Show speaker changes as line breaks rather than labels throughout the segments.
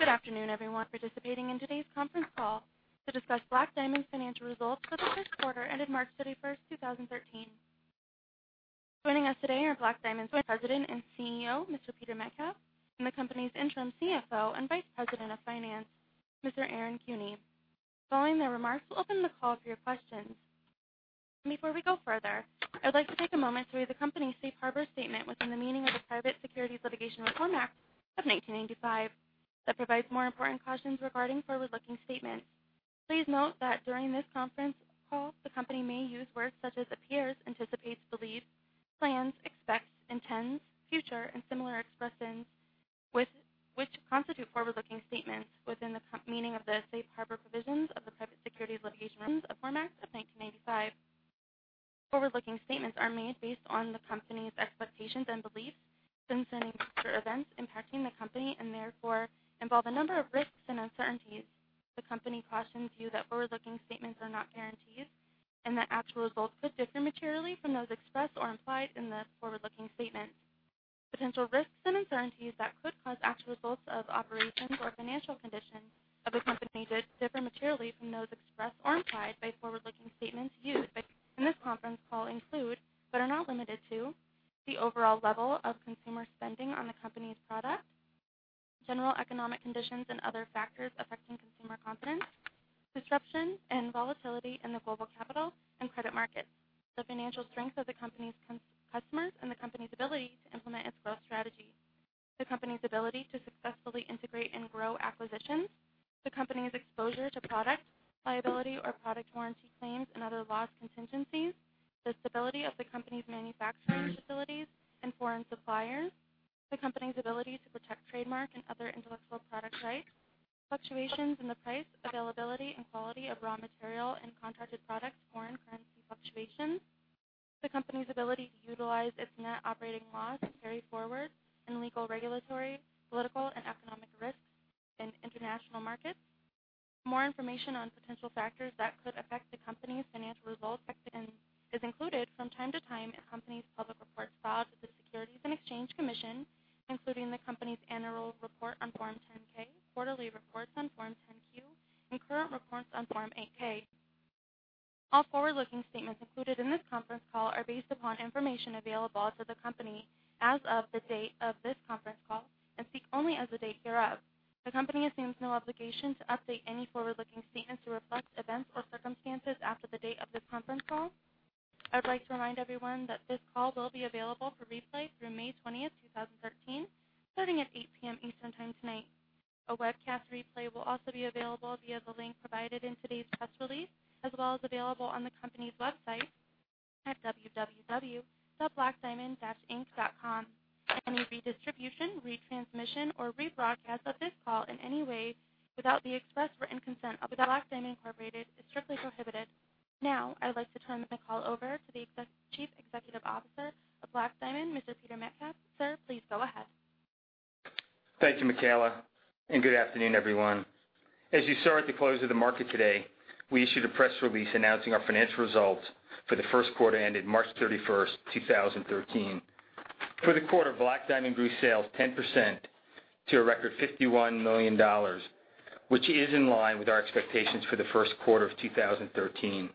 Good afternoon, everyone participating in today's conference call to discuss Black Diamond's financial results for the first quarter ended March 31st, 2013. Joining us today are Black Diamond's President and CEO, Mr. Peter Metcalf, and the company's interim CFO and Vice President of Finance, Mr. Aaron Cooney. Following their remarks, we'll open the call for your questions. Before we go further, I would like to take a moment to read the company's safe harbor statement within the meaning of the Private Securities Litigation Reform Act of 1995 that provides more important cautions regarding forward-looking statements. Please note that during this conference call, the company may use words such as appears, anticipates, believes, plans, expects, intends, future, and similar expressions which constitute forward-looking statements within the meaning of the safe harbor provisions of the Private Securities Litigation Reform Act of 1995. Forward-looking statements are made based on the company's expectations and beliefs concerning future events impacting the company and therefore involve a number of risks and uncertainties. The company cautions you that forward-looking statements are not guarantees and that actual results could differ materially from those expressed or implied in the forward-looking statements. Potential risks and uncertainties that could cause actual results of operations or financial conditions of the company to differ materially from those expressed or implied by forward-looking statements used in this conference call include, but are not limited to, the overall level of consumer spending on the company's products, general economic conditions, and other factors affecting consumer confidence, disruption and volatility in the global capital and credit markets, the financial strength of the company's customers, and the company's ability to implement its growth strategy. The company's ability to successfully integrate and grow acquisitions, the company's exposure to product liability or product warranty claims and other loss contingencies, the stability of the company's manufacturing facilities and foreign suppliers, the company's ability to protect trademark and other intellectual property rights, fluctuations in the price, availability, and quality of raw material and contracted products, foreign currency fluctuations, the company's ability to utilize its net operating loss carried forward, and legal, regulatory, political, and economic risks in international markets. More information on potential factors that could affect the company's financial results is included from time to time in the company's public reports filed with the Securities and Exchange Commission, including the company's annual report on Form 10-K, quarterly reports on Form 10-Q, and current reports on Form 8-K. All forward-looking statements included in this conference call are based upon information available to the company as of the date of this conference call and speak only as of the date hereof. The company assumes no obligation to update any forward-looking statements to reflect events or circumstances after the date of this conference call. I'd like to remind everyone that this call will be available for replay through May 20th, 2013, starting at 8:00 P.M. Eastern Time tonight. A webcast replay will also be available via the link provided in today's press release, as well as available on the company's website at www.blackdiamond-inc.com. Any redistribution, retransmission, or rebroadcast of this call in any way without the express written consent of Black Diamond Incorporated is strictly prohibited. I'd like to turn the call over to the Chief Executive Officer of Black Diamond, Mr. Peter Metcalf. Sir, please go ahead.
Thank you, Michaela, and good afternoon, everyone. As you saw at the close of the market today, we issued a press release announcing our financial results for the first quarter ended March 31st, 2013. For the quarter, Black Diamond grew sales 10% to a record $51 million, which is in line with our expectations for the first quarter of 2013.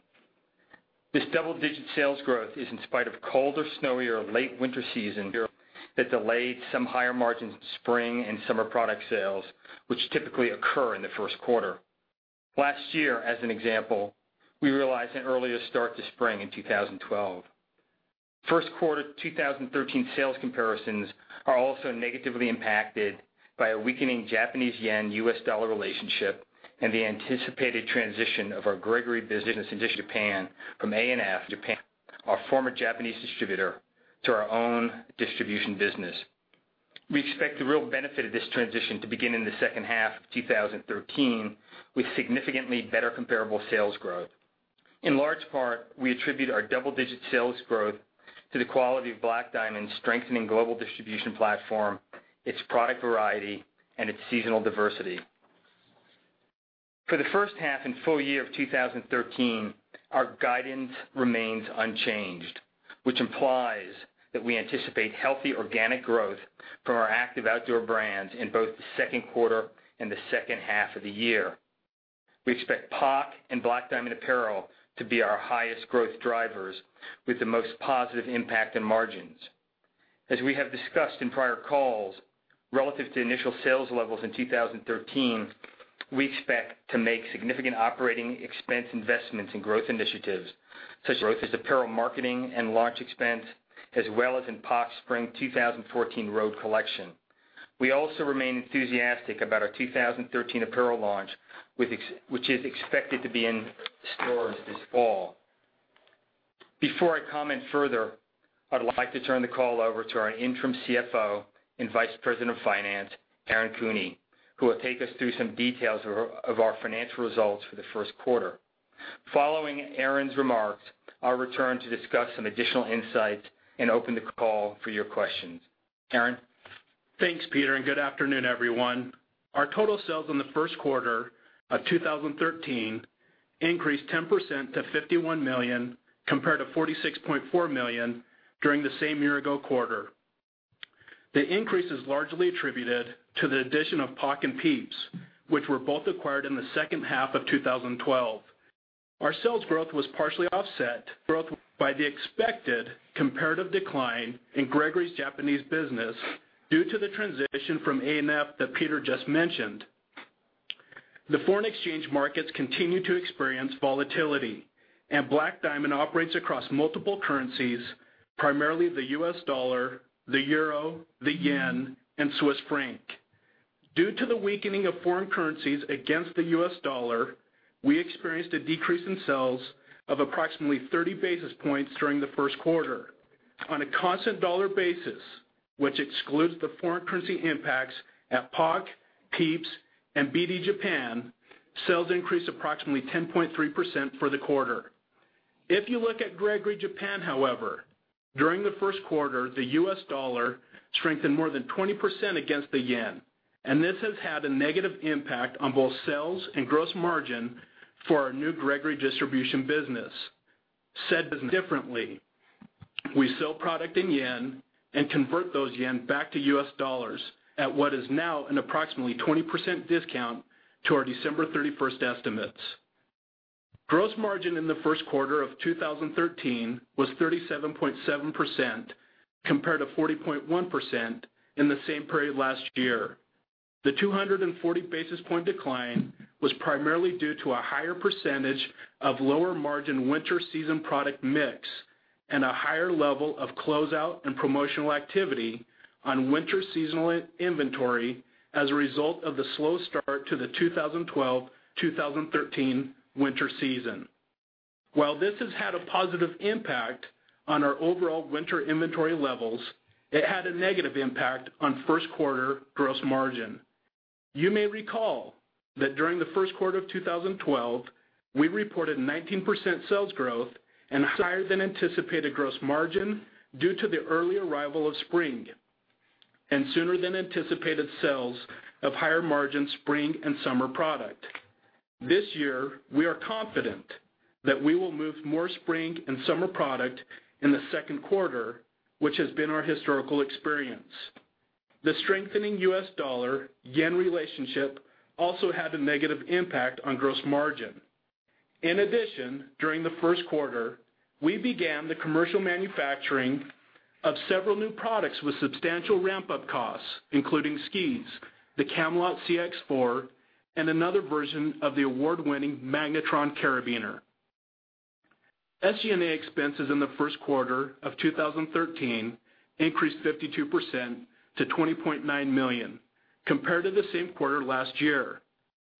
This double-digit sales growth is in spite of a colder, snowier late winter season that delayed some higher-margin spring and summer product sales, which typically occur in the first quarter. Last year, as an example, we realized an earlier start to spring in 2012. First quarter 2013 sales comparisons are also negatively impacted by a weakening Japanese yen-US dollar relationship and the anticipated transition of our Gregory business in Japan from A&F Japan, our former Japanese distributor, to our own distribution business. We expect the real benefit of this transition to begin in the second half of 2013 with significantly better comparable sales growth. In large part, we attribute our double-digit sales growth to the quality of Black Diamond's strengthening global distribution platform, its product variety, and its seasonal diversity. For the first half and full year of 2013, our guidance remains unchanged, which implies that we anticipate healthy organic growth from our active outdoor brands in both the second quarter and the second half of the year. We expect POC and Black Diamond Apparel to be our highest growth drivers with the most positive impact on margins. As we have discussed in prior calls, relative to initial sales levels in 2013, we expect to make significant operating expense investments in growth initiatives such as apparel marketing and launch expense, as well as in POC's Spring 2014 road collection. We also remain enthusiastic about our 2013 apparel launch, which is expected to be in stores this fall. Before I comment further, I'd like to turn the call over to our Interim CFO and Vice President of Finance, Aaron Cooney, who will take us through some details of our financial results for the first quarter. Following Aaron's remarks, I'll return to discuss some additional insights and open the call for your questions. Aaron?
Thanks, Peter, good afternoon, everyone. Our total sales in the first quarter of 2013 Increased 10% to $51 million compared to $46.4 million during the same year-ago quarter. The increase is largely attributed to the addition of POC and Pieps, which were both acquired in the second half of 2012. Our sales growth was partially offset by the expected comparative decline in Gregory Japan due to the transition from A&F that Peter just mentioned. The foreign exchange markets continue to experience volatility, Black Diamond operates across multiple currencies, primarily the US dollar, the euro, the yen, and Swiss franc. Due to the weakening of foreign currencies against the US dollar, we experienced a decrease in sales of approximately 30 basis points during the first quarter. On a constant dollar basis, which excludes the foreign currency impacts at POC, Pieps, and BD-Japan, sales increased approximately 10.3% for the quarter. If you look at Gregory Japan, however, during the first quarter, the US dollar strengthened more than 20% against the yen, this has had a negative impact on both sales and gross margin for our new Gregory distribution business. Said differently, we sell product in yen and convert those yen back to US dollars at what is now an approximately 20% discount to our December 31st estimates. Gross margin in the first quarter of 2013 was 37.7%, compared to 40.1% in the same period last year. The 240 basis point decline was primarily due to a higher percentage of lower-margin winter season product mix and a higher level of closeout and promotional activity on winter seasonal inventory as a result of the slow start to the 2012-2013 winter season. While this has had a positive impact on our overall winter inventory levels, it had a negative impact on first quarter gross margin. You may recall that during the first quarter of 2012, we reported 19% sales growth and higher than anticipated gross margin due to the early arrival of spring and sooner than anticipated sales of higher margin spring and summer product. This year, we are confident that we will move more spring and summer product in the second quarter, which has been our historical experience. The strengthening US dollar/yen relationship also had a negative impact on gross margin. In addition, during the first quarter, we began the commercial manufacturing of several new products with substantial ramp-up costs, including skis, the Camalot X4, and another version of the award-winning Magnetron Carabiner. SG&A expenses in the first quarter of 2013 increased 52% to $20.9 million compared to the same quarter last year,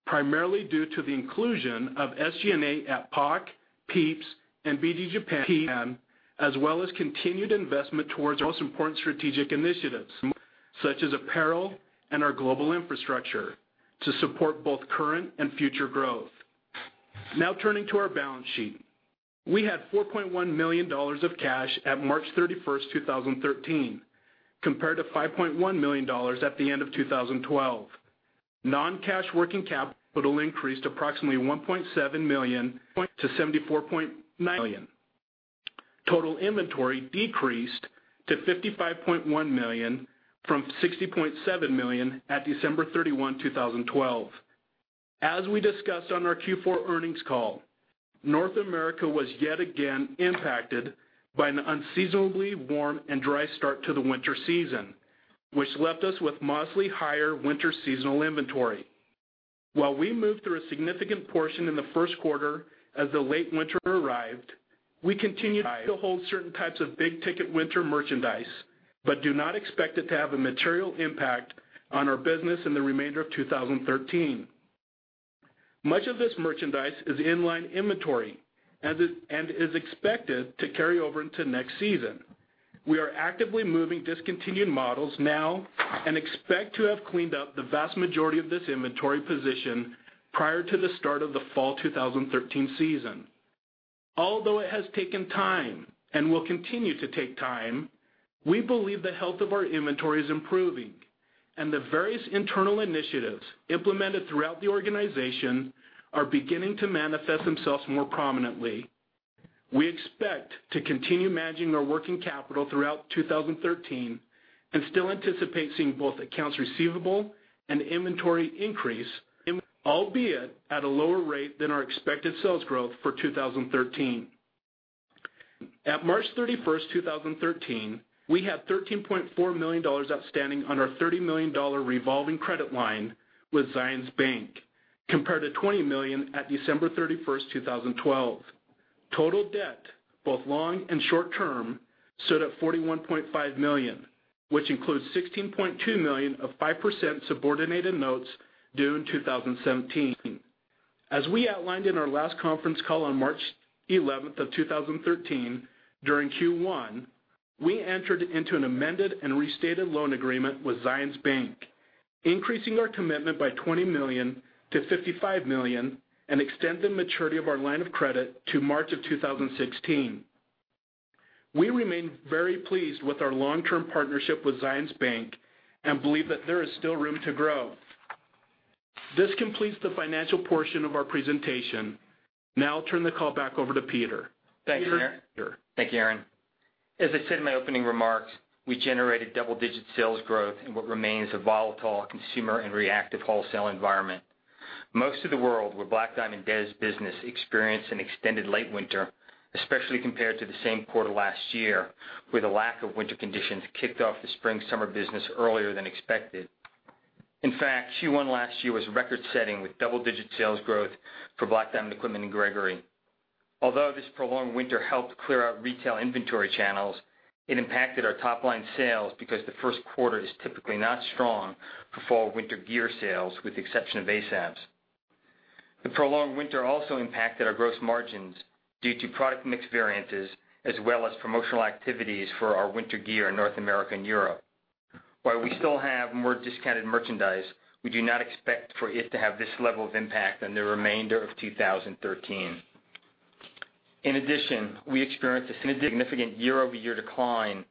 primarily due to the inclusion of SG&A at POC, Pieps, and BD-Japan, as well as continued investment towards our most important strategic initiatives, such as apparel and our global infrastructure to support both current and future growth. Turning to our balance sheet. We had $4.1 million of cash at March 31st, 2013, compared to $5.1 million at the end of 2012. Non-cash working capital increased approximately $1.7 million to $74.9 million. Total inventory decreased to $55.1 million from $60.7 million at December 31, 2012. As we discussed on our Q4 earnings call, North America was yet again impacted by an unseasonably warm and dry start to the winter season, which left us with mostly higher winter seasonal inventory. While we moved through a significant portion in the first quarter as the late winter arrived, we continue to hold certain types of big-ticket winter merchandise but do not expect it to have a material impact on our business in the remainder of 2013. Much of this merchandise is inline inventory and is expected to carry over into next season. We are actively moving discontinued models now and expect to have cleaned up the vast majority of this inventory position prior to the start of the fall 2013 season. It has taken time and will continue to take time, we believe the health of our inventory is improving and the various internal initiatives implemented throughout the organization are beginning to manifest themselves more prominently. We expect to continue managing our working capital throughout 2013 and still anticipate seeing both accounts receivable and inventory increase, albeit at a lower rate than our expected sales growth for 2013. At March 31st, 2013, we had $13.4 million outstanding on our $30 million revolving credit line with Zions Bank, compared to $20 million at December 31st, 2012. Total debt, both long and short term, stood at $41.5 million, which includes $16.2 million of 5% subordinated notes due in 2017. We outlined in our last conference call on March 11th of 2013, during Q1, we entered into an amended and restated loan agreement with Zions Bank, increasing our commitment by $20 million to $55 million, and extend the maturity of our line of credit to March of 2016. We remain very pleased with our long-term partnership with Zions Bank and believe that there is still room to grow. This completes the financial portion of our presentation. I'll turn the call back over to Peter.
Thanks, Aaron. Thank you, Aaron. As I said in my opening remarks, we generated double-digit sales growth in what remains a volatile consumer and reactive wholesale environment. Most of the world where Black Diamond does business experienced an extended late winter, especially compared to the same quarter last year, where the lack of winter conditions kicked off the spring-summer business earlier than expected. In fact, Q1 last year was record-setting with double-digit sales growth for Black Diamond Equipment and Gregory. Although this prolonged winter helped clear out retail inventory channels, it impacted our top-line sales because the first quarter is typically not strong for fall/winter gear sales, with the exception of ASAPs. The prolonged winter also impacted our gross margins due to product mix variances as well as promotional activities for our winter gear in North America and Europe. While we still have more discounted merchandise, we do not expect for it to have this level of impact on the remainder of 2013. In addition, we experienced a significant year-over-year decline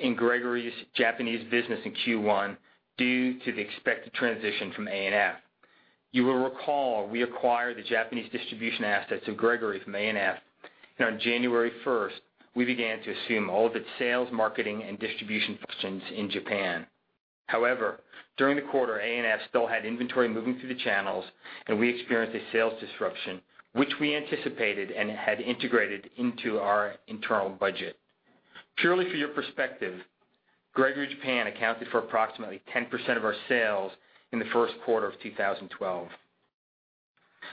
in Gregory's Japanese business in Q1 due to the expected transition from A&F. You will recall we acquired the Japanese distribution assets of Gregory from A&F, and on January 1st, we began to assume all of its sales, marketing, and distribution functions in Japan. However, during the quarter, A&F still had inventory moving through the channels, and we experienced a sales disruption, which we anticipated and had integrated into our internal budget. Purely for your perspective, Gregory Japan accounted for approximately 10% of our sales in the first quarter of 2012.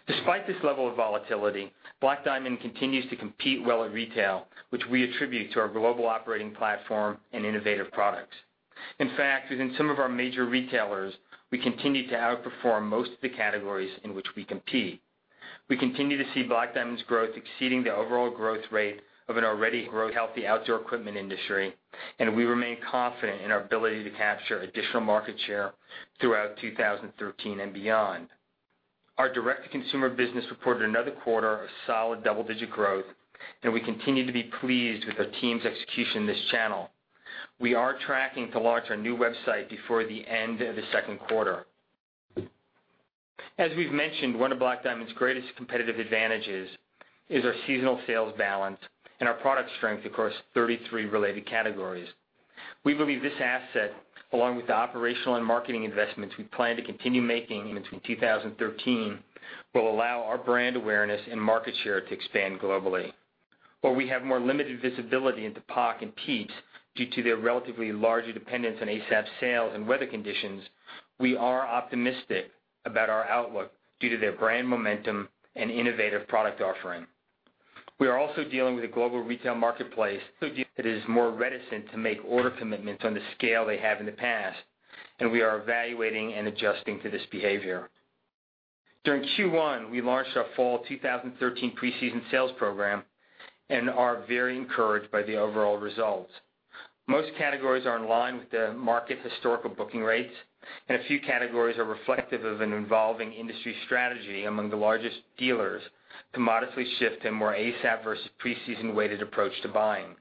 Despite this level of volatility, Black Diamond continues to compete well in retail, which we attribute to our global operating platform and innovative products. In fact, within some of our major retailers, we continue to outperform most of the categories in which we compete. We continue to see Black Diamond's growth exceeding the overall growth rate of an already growth healthy outdoor equipment industry, and we remain confident in our ability to capture additional market share throughout 2013 and beyond. Our direct-to-consumer business reported another quarter of solid double-digit growth, and we continue to be pleased with our team's execution in this channel. We are tracking to launch our new website before the end of the second quarter. As we've mentioned, one of Black Diamond's greatest competitive advantages is our seasonal sales balance and our product strength across 33 related categories. We believe this asset, along with the operational and marketing investments we plan to continue making in between 2013, will allow our brand awareness and market share to expand globally. While we have more limited visibility into POC and Pieps due to their relatively larger dependence on ASAP sales and weather conditions, we are optimistic about our outlook due to their brand momentum and innovative product offering. We are also dealing with a global retail marketplace that is more reticent to make order commitments on the scale they have in the past, and we are evaluating and adjusting to this behavior. During Q1, we launched our fall 2013 pre-season sales program and are very encouraged by the overall results. Most categories are in line with the market's historical booking rates, and a few categories are reflective of an evolving industry strategy among the largest dealers to modestly shift to more ASAP versus pre-season-weighted approach to buying.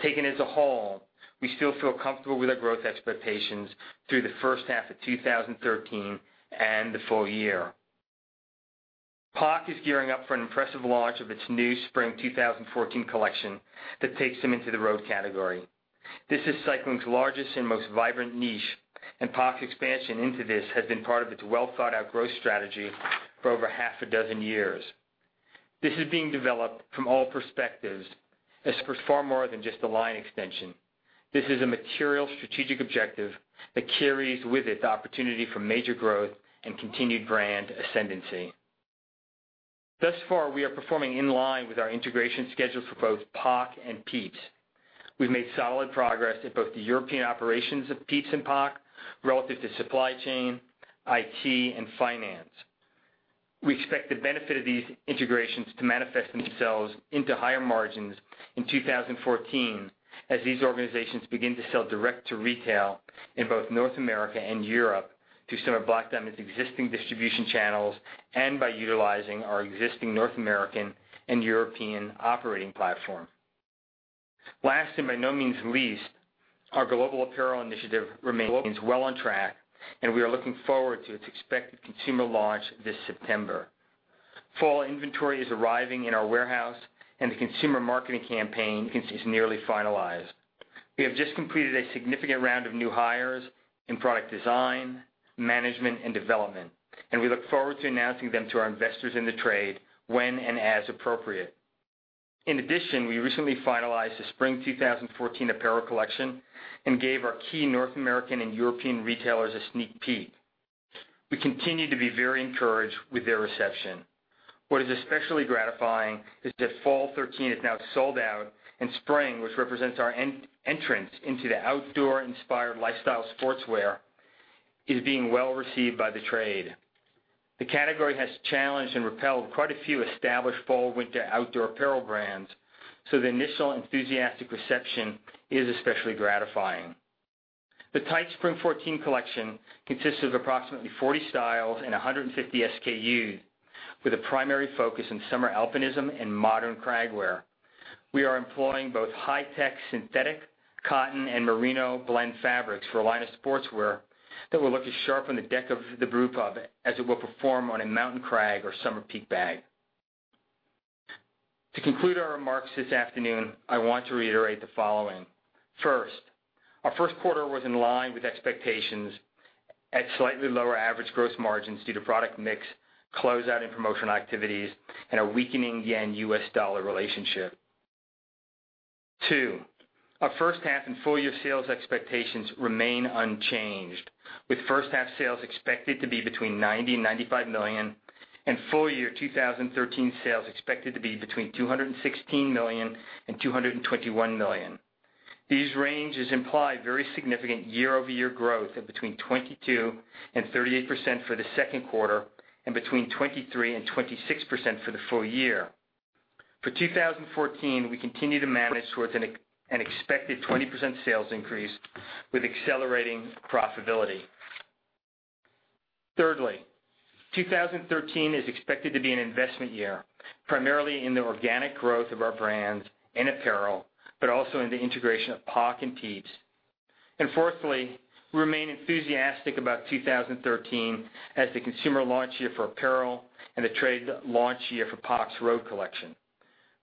Taken as a whole, we still feel comfortable with our growth expectations through the first half of 2013 and the full year. POC is gearing up for an impressive launch of its new spring 2014 collection that takes them into the road category. This is cycling's largest and most vibrant niche. POC's expansion into this has been part of its well-thought-out growth strategy for over half a dozen years. This is being developed from all perspectives as far more than just a line extension. This is a material strategic objective that carries with it the opportunity for major growth and continued brand ascendancy. Thus far, we are performing in line with our integration schedules for both POC and Pieps. We've made solid progress at both the European operations of Pieps and POC relative to supply chain, IT, and finance. We expect the benefit of these integrations to manifest themselves into higher margins in 2014 as these organizations begin to sell direct to retail in both North America and Europe through some of Black Diamond's existing distribution channels and by utilizing our existing North American and European operating platform. Last, by no means least, our global apparel initiative remains well on track. We are looking forward to its expected consumer launch this September. Fall inventory is arriving in our warehouse. The consumer marketing campaign is nearly finalized. We have just completed a significant round of new hires in product design, management, and development. We look forward to announcing them to our investors in the trade when and as appropriate. In addition, we recently finalized the spring 2014 apparel collection and gave our key North American and European retailers a sneak peek. We continue to be very encouraged with their reception. What is especially gratifying is that fall 2013 is now sold out. Spring, which represents our entrance into the outdoor-inspired lifestyle sportswear, is being well received by the trade. The category has challenged and repelled quite a few established fall/winter outdoor apparel brands. The initial enthusiastic reception is especially gratifying. The Tike Spring '14 collection consists of approximately 40 styles and 150 SKUs with a primary focus on summer alpinism and modern crag wear. We are employing both high-tech synthetic, cotton, and merino blend fabrics for a line of sportswear that will look as sharp on the deck of the brew pub as it will perform on a mountain crag or summer peak bag. To conclude our remarks this afternoon, I want to reiterate the following. First, our first quarter was in line with expectations at slightly lower average gross margins due to product mix, closeout and promotion activities, and a weakening JPY-U.S. dollar relationship. Two, our first half and full-year sales expectations remain unchanged, with first-half sales expected to be between $90 million and $95 million and full-year 2013 sales expected to be between $216 million and $221 million. These ranges imply very significant year-over-year growth of between 22% and 38% for the second quarter and between 23% and 26% for the full year. For 2014, we continue to manage towards an expected 20% sales increase with accelerating profitability. Thirdly, 2013 is expected to be an investment year, primarily in the organic growth of our brands and apparel, but also in the integration of POC and Pieps. Fourthly, we remain enthusiastic about 2013 as the consumer launch year for apparel and the trade launch year for POC's road collection.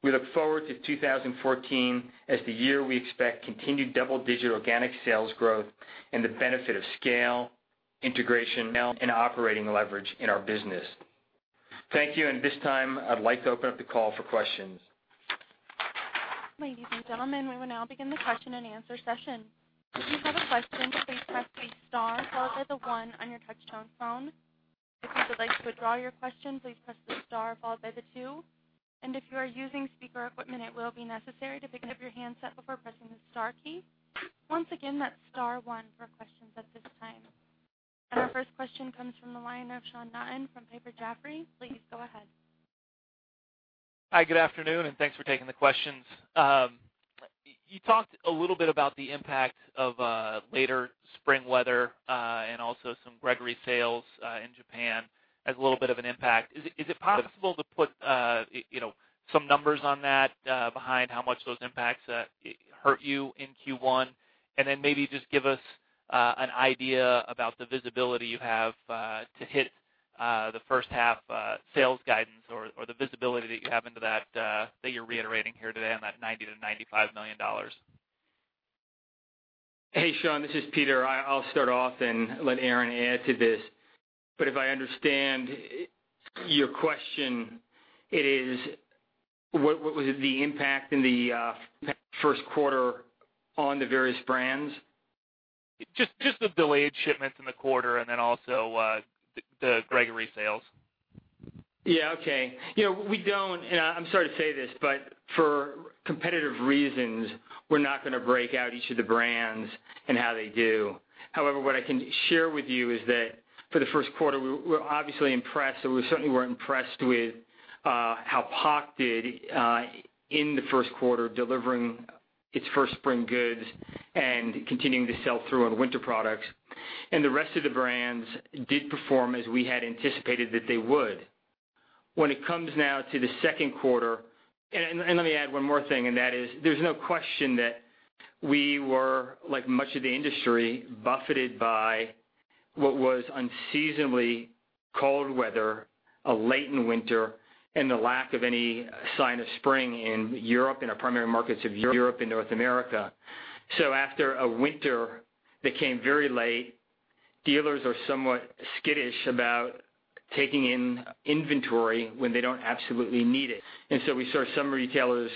We look forward to 2014 as the year we expect continued double-digit organic sales growth and the benefit of scale, integration now, and operating leverage in our business. Thank you. At this time, I'd like to open up the call for questions.
Ladies and gentlemen, we will now begin the question-and-answer session. If you have a question, please press the star followed by the one on your touchtone phone. If you would like to withdraw your question, please press the star followed by the two. If you are using speaker equipment, it will be necessary to pick up your handset before pressing the star key. Once again, that's star one for questions at this time. Our first question comes from the line of Sean Naughton from Piper Jaffray. Please go ahead.
Hi. Good afternoon. Thanks for taking the questions. You talked a little bit about the impact of later spring weather and also some Gregory sales in Japan as a little bit of an impact. Is it possible to put some numbers on that behind how much those impacts hurt you in Q1? Then maybe just give us an idea about the visibility you have to hit the first half sales guidance or the visibility that you have into that that you're reiterating here today on that $90 million-$95 million.
Hey, Sean, this is Peter. I'll start off and let Aaron add to this. If I understand your question, it is, what was the impact in the first quarter on the various brands?
Just the delayed shipments in the quarter and also the Gregory sales.
Yeah. Okay. I'm sorry to say this, for competitive reasons, we're not going to break out each of the brands and how they do. However, what I can share with you is that for the first quarter, we're obviously impressed, and we certainly were impressed with how POC did in the first quarter, delivering its first spring goods and continuing to sell through on winter products. The rest of the brands did perform as we had anticipated that they would. When it comes now to the second quarter. Let me add one more thing, and that is, there's no question that we were, like much of the industry, buffeted by what was unseasonably cold weather, a late in winter, and the lack of any sign of spring in Europe, in our primary markets of Europe and North America. After a winter that came very late, dealers are somewhat skittish about taking in inventory when they don't absolutely need it. We saw some retailers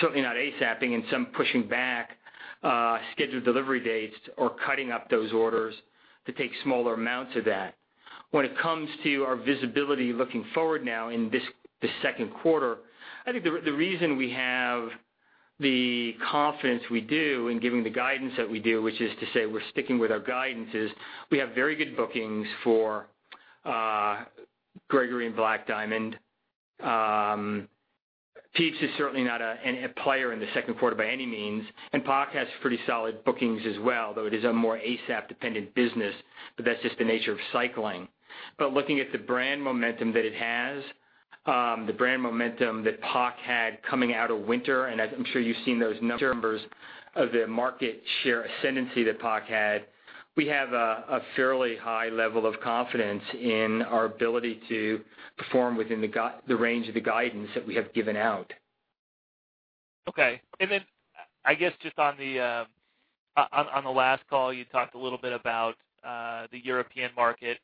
certainly not ASAPing and some pushing back scheduled delivery dates or cutting up those orders to take smaller amounts of that. When it comes to our visibility looking forward now in the second quarter, I think the reason we have the confidence we do in giving the guidance that we do, which is to say we're sticking with our guidances, we have very good bookings for Gregory and Black Diamond. Pieps is certainly not a player in the second quarter by any means, and POC has pretty solid bookings as well, though it is a more ASAP-dependent business, that's just the nature of cycling. Looking at the brand momentum that it has, the brand momentum that POC had coming out of winter, I'm sure you've seen those numbers of the market share ascendancy that POC had. We have a fairly high level of confidence in our ability to perform within the range of the guidance that we have given out.
Okay. I guess just on the last call, you talked a little bit about the European market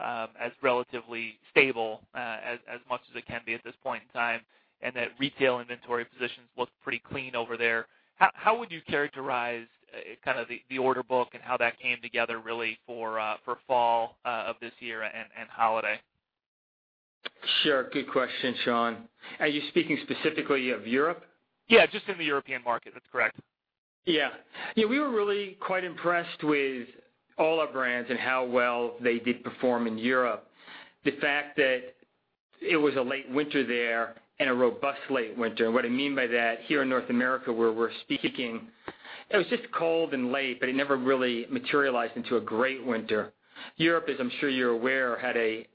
as relatively stable as much as it can be at this point in time, and that retail inventory positions look pretty clean over there. How would you characterize the order book and how that came together really for fall of this year and holiday?
Sure. Good question, Sean. Are you speaking specifically of Europe?
Yeah. Just in the European market. That's correct.
Yeah. We were really quite impressed with all our brands and how well they did perform in Europe. The fact that it was a late winter there, and a robust late winter. What I mean by that, here in North America, where we're speaking, it was just cold and late, but it never really materialized into a great winter. Europe, as I'm sure you're aware,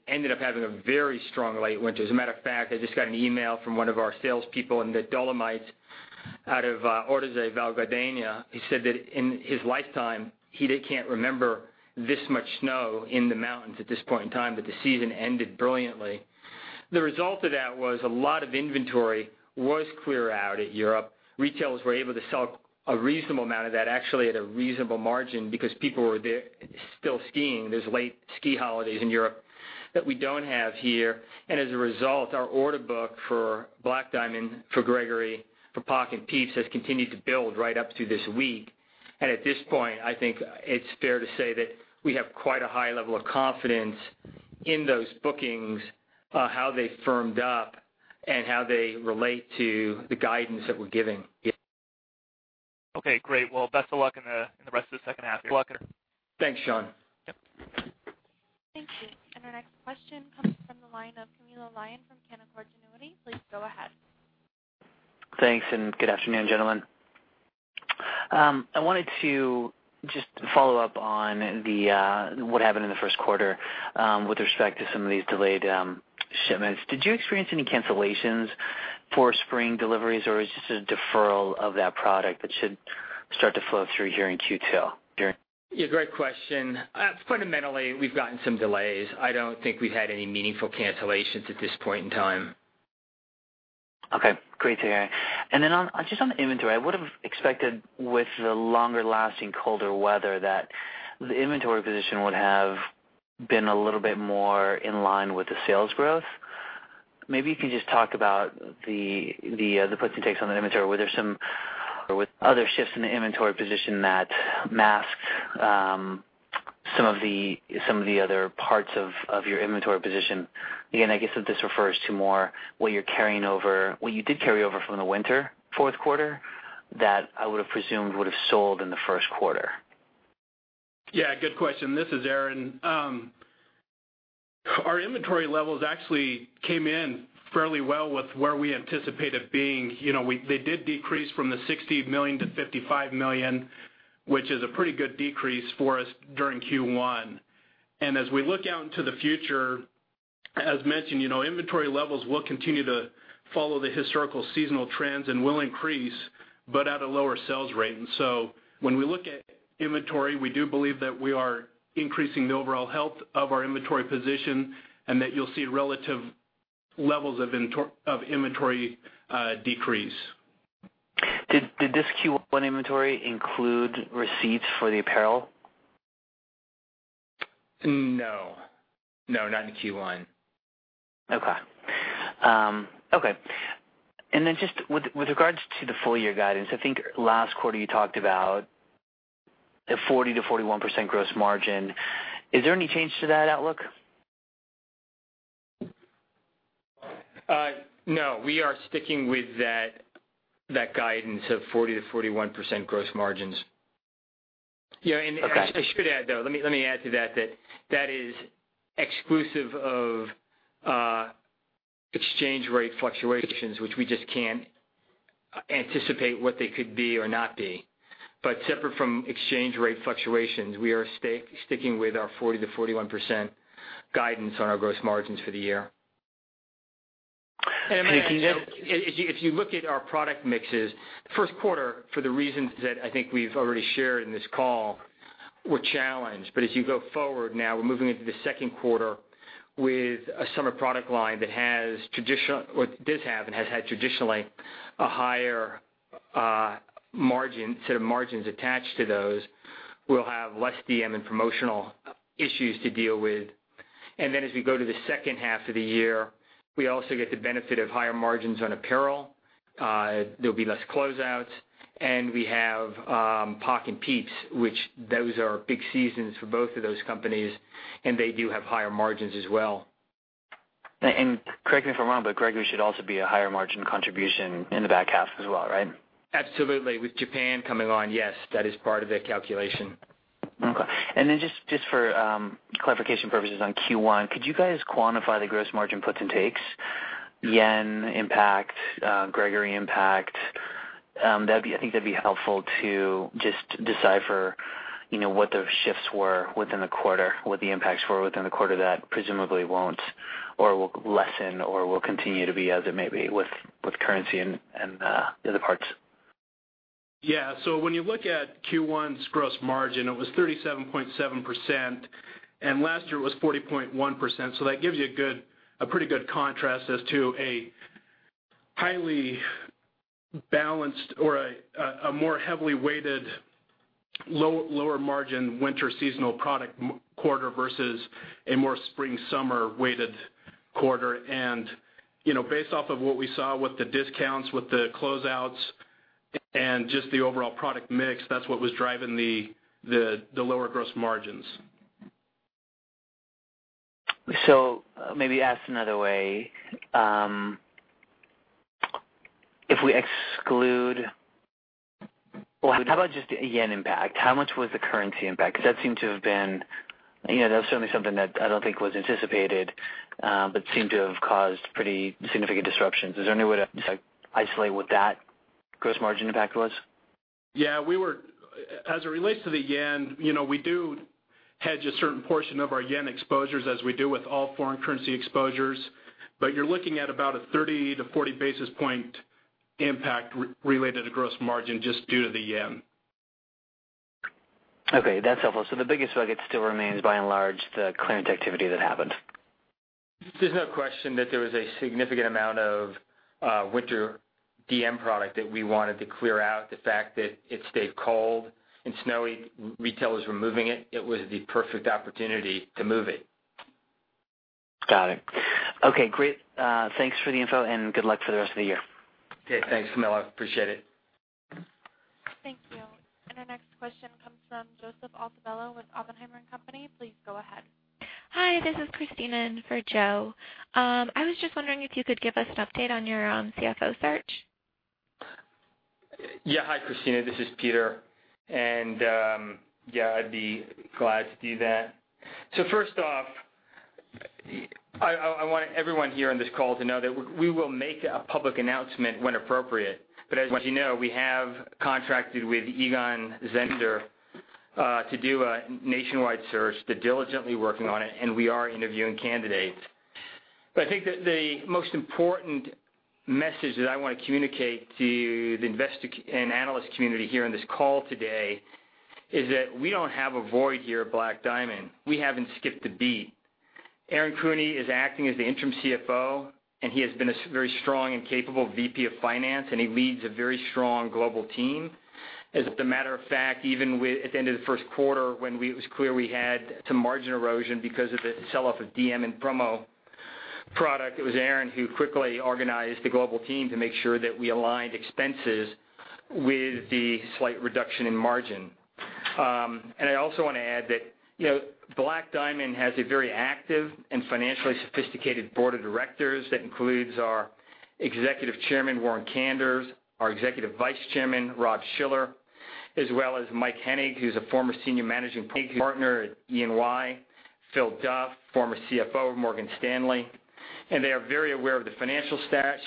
ended up having a very strong late winter. As a matter of fact, I just got an email from one of our salespeople in the Dolomites out of Ortisei, Val Gardena. He said that in his lifetime, he can't remember this much snow in the mountains at this point in time, but the season ended brilliantly. The result of that was a lot of inventory was cleared out at Europe. Retailers were able to sell a reasonable amount of that, actually, at a reasonable margin because people were there still skiing. There's late ski holidays in Europe that we don't have here. As a result, our order book for Black Diamond, for Gregory, for POC and Pieps has continued to build right up to this week. At this point, I think it's fair to say that we have quite a high level of confidence in those bookings, how they firmed up, and how they relate to the guidance that we're giving.
Okay, great. Well, best of luck in the rest of the second half here.
Thanks, Sean.
Yep.
Thank you. Our next question comes from the line of Camilo Lyon from Canaccord Genuity. Please go ahead.
Thanks. Good afternoon, gentlemen. I wanted to just follow up on what happened in the first quarter with respect to some of these delayed shipments. Did you experience any cancellations for spring deliveries, or is this a deferral of that product that should start to flow through here in Q2?
Yeah, great question. Fundamentally, we've gotten some delays. I don't think we've had any meaningful cancellations at this point in time.
Okay. Great to hear. Just on inventory, I would've expected with the longer-lasting colder weather that the inventory position would have been a little bit more in line with the sales growth. Maybe you can just talk about the puts and takes on the inventory. Were there some other shifts in the inventory position that masked some of the other parts of your inventory position? Again, I guess that this refers to more what you did carry over from the winter fourth quarter that I would've presumed would've sold in the first quarter.
Yeah, good question. This is Aaron. Our inventory levels actually came in fairly well with where we anticipated being. They did decrease from the $60 million to $55 million, which is a pretty good decrease for us during Q1. As we look out into the future, as mentioned, inventory levels will continue to follow the historical seasonal trends and will increase but at a lower sales rate. When we look at inventory, we do believe that we are increasing the overall health of our inventory position and that you'll see relative levels of inventory decrease.
Did this Q1 inventory include receipts for the apparel?
No. No, not in Q1.
Okay. Just with regards to the full year guidance, I think last quarter you talked about a 40%-41% gross margin. Is there any change to that outlook?
No. We are sticking with that guidance of 40%-41% gross margins.
Okay.
Yeah, I should add, though, let me add to that that is exclusive of exchange rate fluctuations, which we just can't anticipate what they could be or not be. Separate from exchange rate fluctuations, we are sticking with our 40%-41% guidance on our gross margins for the year.
If you-
If you look at our product mixes, first quarter, for the reasons that I think we've already shared in this call, were challenged. As you go forward now, we're moving into the second quarter with a summer product line that does have and has had traditionally a higher margin, set of margins attached to those. We'll have less DM and promotional issues to deal with. Then as we go to the second half of the year, we also get the benefit of higher margins on apparel. There'll be less closeouts. We have POC and Pieps, which those are big seasons for both of those companies, and they do have higher margins as well.
Correct me if I'm wrong, Gregory should also be a higher margin contribution in the back half as well, right?
Absolutely. With Japan coming on, yes, that is part of the calculation.
Okay. Then just for clarification purposes on Q1, could you guys quantify the gross margin puts and takes? Yen impact, Gregory impact. I think that'd be helpful to just decipher what the shifts were within the quarter, what the impacts were within the quarter that presumably won't, or will lessen or will continue to be as it may be with currency and the other parts.
When you look at Q1's gross margin, it was 37.7%, and last year it was 40.1%. That gives you a pretty good contrast as to a highly balanced or a more heavily weighted, lower margin winter seasonal product quarter versus a more spring, summer weighted quarter. Based off of what we saw with the discounts, with the closeouts, and just the overall product mix, that's what was driving the lower gross margins.
Maybe asked another way. Well, how about just the yen impact? How much was the currency impact? Because that seemed to have been certainly something that I don't think was anticipated, but seemed to have caused pretty significant disruptions. Is there any way to isolate what that gross margin impact was?
Yeah. As it relates to the yen, we do hedge a certain portion of our yen exposures as we do with all foreign currency exposures, but you're looking at about a 30 to 40 basis point impact related to gross margin just due to the yen.
Okay, that's helpful. The biggest bucket still remains, by and large, the clearance activity that happened.
There's no question that there was a significant amount of winter DM product that we wanted to clear out. The fact that it stayed cold and snowy, retailers were moving it. It was the perfect opportunity to move it.
Got it. Okay, great. Thanks for the info and good luck for the rest of the year.
Okay, thanks, Miller. Appreciate it.
Thank you. Our next question comes from Joseph Altobello with Oppenheimer & Company. Please go ahead.
Hi, this is Christina in for Joe. I was just wondering if you could give us an update on your CFO search.
Yeah. Hi, Christina. This is Peter. Yeah, I'd be glad to do that. First off, I want everyone here on this call to know that we will make a public announcement when appropriate. As you know, we have contracted with Egon Zehnder to do a nationwide search. They're diligently working on it, and we are interviewing candidates. I think that the most important message that I want to communicate to the investor and analyst community here on this call today, is that we don't have a void here at Black Diamond. We haven't skipped a beat. Aaron Kuehne is acting as the interim CFO, and he has been a very strong and capable VP of finance, and he leads a very strong global team. As a matter of fact, even at the end of the first quarter, when it was clear we had some margin erosion because of the sell-off of DM and promo product, it was Aaron who quickly organized the global team to make sure that we aligned expenses with the slight reduction in margin. I also want to add that Black Diamond has a very active and financially sophisticated board of directors that includes our Executive Chairman, Warren Kanders, our Executive Vice Chairman, Rob Schiller, as well as Mike Henning, who's a former senior managing partner at E&Y, Phil Duff, former CFO of Morgan Stanley. They are very aware of the financial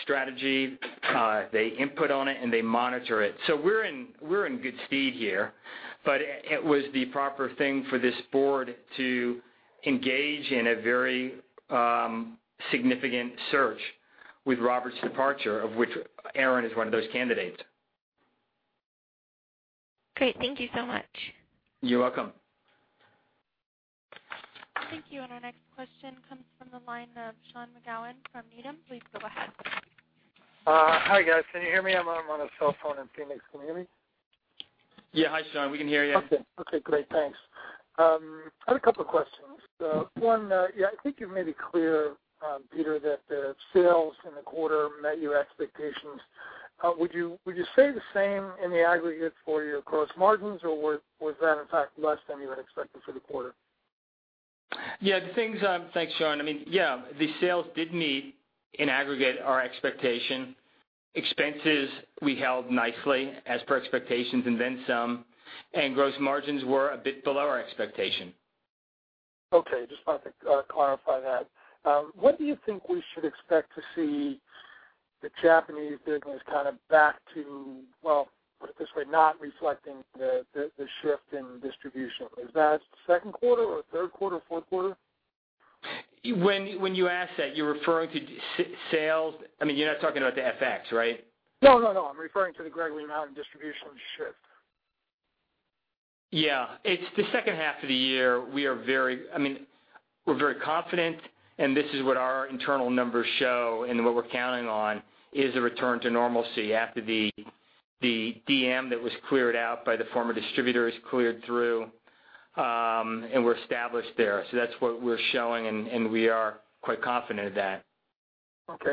strategy. They input on it, and they monitor it. We're in good stead here, but it was the proper thing for this board to engage in a very significant search with Robert's departure, of which Aaron is one of those candidates.
Great. Thank you so much.
You're welcome.
Thank you. Our next question comes from the line of Sean McGowan from Needham. Please go ahead.
Hi, guys. Can you hear me? I'm on a cell phone in Phoenix. Can you hear me?
Yeah. Hi, Sean. We can hear you.
Okay. Great. Thanks. I have a couple questions. One, I think you made it clear, Peter, that the sales in the quarter met your expectations. Would you say the same in the aggregate for your gross margins, or was that in fact less than you had expected for the quarter?
Yeah. Thanks, Sean. The sales did meet, in aggregate, our expectation. Expenses, we held nicely as per expectations and then some. Gross margins were a bit below our expectation.
Okay. Just wanted to clarify that. When do you think we should expect to see the Japanese business back to, well, put it this way, not reflecting the shift in distribution? Is that second quarter or third quarter, fourth quarter?
When you ask that, you're referring to sales. You're not talking about the FX, right?
No, I'm referring to the Gregory amount of distributional shift.
Yeah. It's the second half of the year. We're very confident, this is what our internal numbers show and what we're counting on, is a return to normalcy after the DM that was cleared out by the former distributor is cleared through, and we're established there. That's what we're showing, and we are quite confident of that.
Last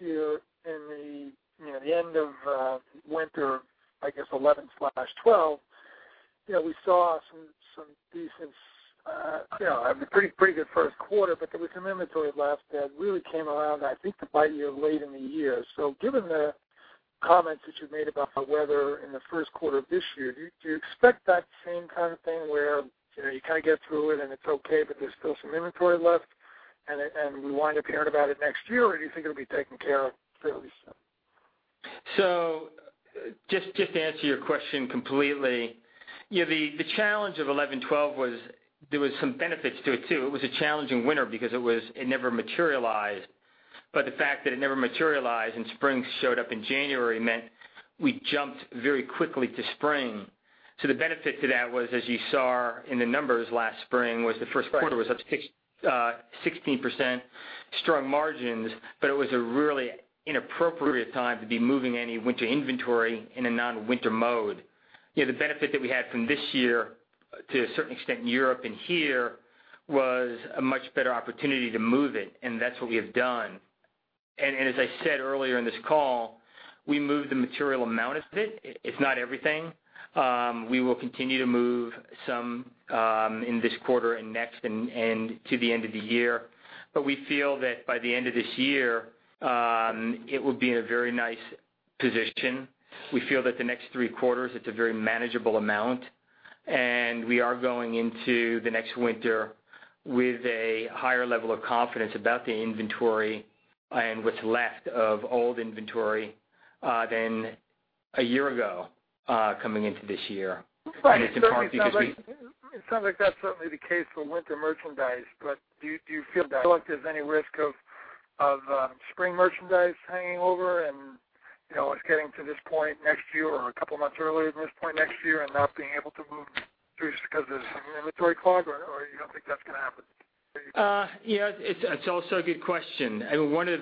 year in the end of winter, I guess 2011/2012, we saw some decent, a pretty good first quarter, but there was some inventory left that really came around, I think, to bite you late in the year. Given the comments that you made about the weather in the first quarter of this year, do you expect that same kind of thing where you kind of get through it and it's okay, but there's still some inventory left and we wind up hearing about it next year, or do you think it'll be taken care of fairly soon?
Just to answer your question completely. The challenge of 2011/2012 was there was some benefits to it, too. It was a challenging winter because it never materialized. The fact that it never materialized and spring showed up in January meant we jumped very quickly to spring. The benefit to that was, as you saw in the numbers last spring, was the first quarter was up 16% strong margins, but it was a really inappropriate time to be moving any winter inventory in a non-winter mode. The benefit that we had from this year to a certain extent in Europe and here, was a much better opportunity to move it, and that's what we have done. As I said earlier in this call, we moved a material amount of it. It's not everything. We will continue to move some in this quarter and next and to the end of the year. We feel that by the end of this year, it will be in a very nice position. We feel that the next three quarters, it's a very manageable amount, and we are going into the next winter with a higher level of confidence about the inventory and what's left of old inventory than a year ago, coming into this year.
Right. It sounds like that's certainly the case for winter merchandise. Do you feel like there's any risk of spring merchandise hanging over and it's getting to this point next year or a couple of months earlier than this point next year and not being able to move through just because there's some inventory clog, or you don't think that's going to happen?
It's also a good question. One of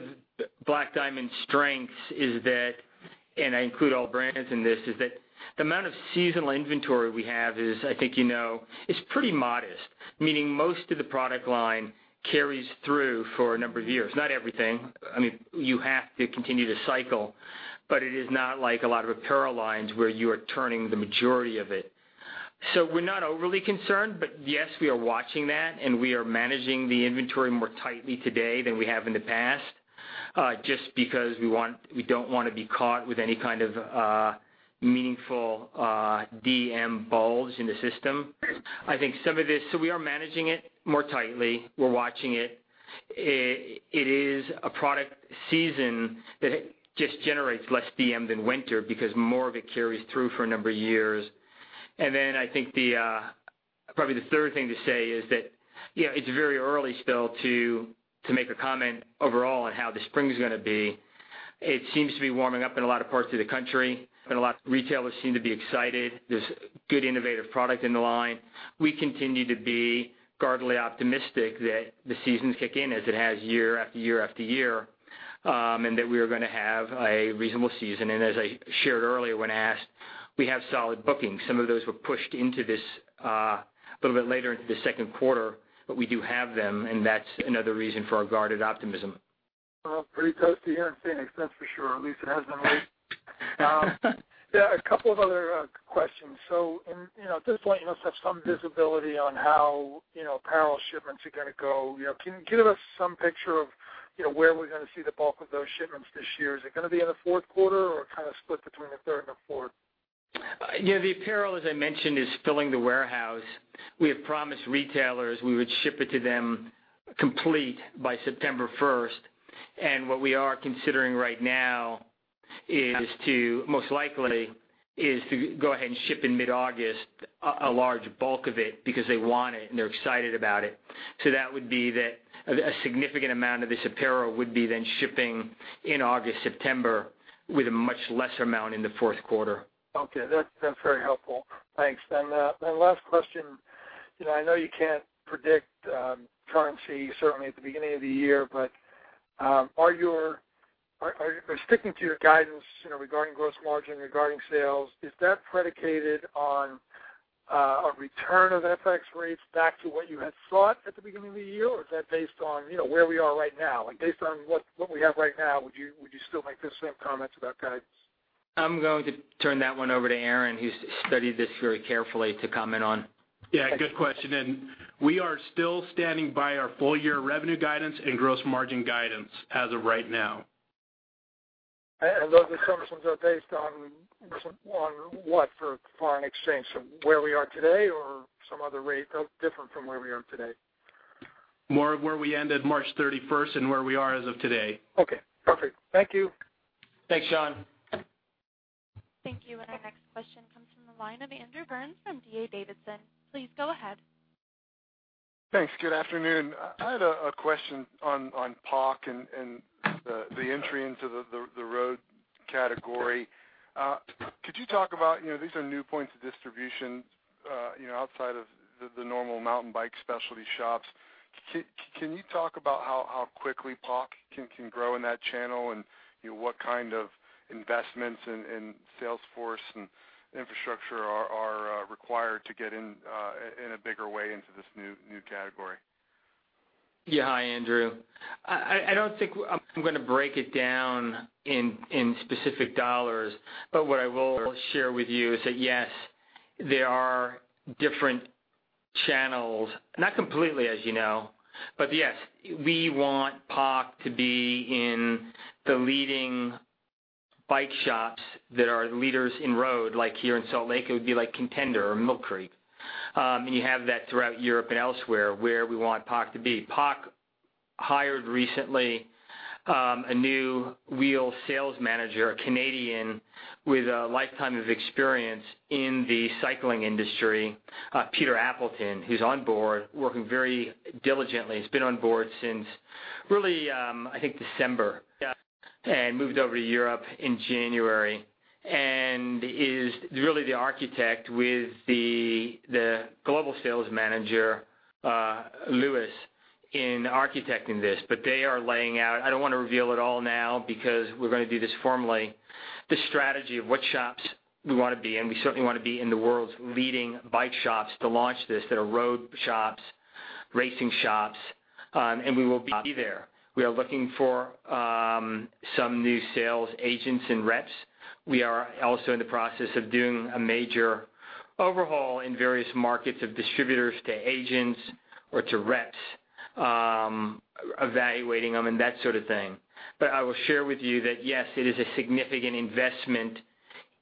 Black Diamond's strengths is that, and I include all brands in this, is that the amount of seasonal inventory we have is, I think you know, is pretty modest, meaning most of the product line carries through for a number of years. Not everything. You have to continue to cycle, but it is not like a lot of apparel lines where you are turning the majority of it. We're not overly concerned. Yes, we are watching that, and we are managing the inventory more tightly today than we have in the past, just because we don't want to be caught with any kind of meaningful DM bulge in the system. We are managing it more tightly. We're watching it. It is a product season that just generates less DM than winter because more of it carries through for a number of years. I think probably the third thing to say is that it's very early still to make a comment overall on how the spring's going to be. It seems to be warming up in a lot of parts of the country. A lot of retailers seem to be excited. There's good innovative product in the line. We continue to be guardedly optimistic that the seasons kick in as it has year, after year, after year, and that we are going to have a reasonable season. As I shared earlier when asked, we have solid bookings. Some of those were pushed into this a little bit later into the second quarter. We do have them, and that's another reason for our guarded optimism.
Well, pretty toasty here in Phoenix, that's for sure. At least it has been lately. A couple of other questions. At this point, you must have some visibility on how apparel shipments are going to go. Can you give us some picture of where we're going to see the bulk of those shipments this year? Is it going to be in the fourth quarter or kind of split between the third and the fourth?
The apparel, as I mentioned, is filling the warehouse. We have promised retailers we would ship it to them complete by September 1st. What we are considering right now, most likely, is to go ahead and ship in mid-August a large bulk of it because they want it, and they're excited about it. That would be that a significant amount of this apparel would be then shipping in August, September, with a much lesser amount in the fourth quarter.
That's very helpful. Thanks. Last question. I know you can't predict currency certainly at the beginning of the year, but sticking to your guidance regarding gross margin, regarding sales, is that predicated on a return of FX rates back to what you had thought at the beginning of the year, or is that based on where we are right now? Based on what we have right now, would you still make the same comments about guidance?
I'm going to turn that one over to Aaron, who's studied this very carefully to comment on.
Yeah, good question. We are still standing by our full-year revenue guidance and gross margin guidance as of right now.
Those assumptions are based on what for foreign exchange? From where we are today or some other rate different from where we are today?
More of where we ended March 31st and where we are as of today.
Okay. Perfect. Thank you.
Thanks, Sean.
Thank you. Our next question comes from the line of Andrew Burns from D.A. Davidson. Please go ahead.
Thanks. Good afternoon. I had a question on POC and the entry into the road category. Could you talk about these new points of distribution outside of the normal mountain bike specialty shops? Can you talk about how quickly POC can grow in that channel and what kind of investments in sales force and infrastructure are required to get in a bigger way into this new category?
Yeah. Hi, Andrew. I don't think I'm going to break it down in specific dollars. What I will share with you is that yes, there are different channels. Not completely as you know, but yes, we want POC to be in the leading bike shops that are leaders in road. Like here in Salt Lake, it would be like Contender or Millcreek. You have that throughout Europe and elsewhere, where we want POC to be. POC hired recently, a new wheel sales manager, a Canadian with a lifetime of experience in the cycling industry, Peter Appleton, who's on board working very diligently. He's been on board since really, I think December.
Yeah.
Moved over to Europe in January, and is really the architect with the global sales manager, Lewis, in architecting this. They are laying out, I don't want to reveal it all now because we're going to do this formally, the strategy of what shops we want to be in. We certainly want to be in the world's leading bike shops to launch this, that are road shops, racing shops. We will be there. We are looking for some new sales agents and reps. We are also in the process of doing a major overhaul in various markets of distributors to agents or to reps, evaluating them and that sort of thing. I will share with you that, yes, it is a significant investment